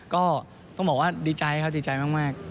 ก็ต้องบอกว่าดีใจครับดีใจมาก